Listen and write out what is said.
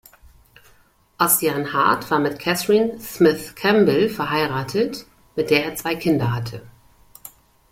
Ossian Hart war mit Catherine Smith Campbell verheiratet, mit der er zwei Kinder hatte.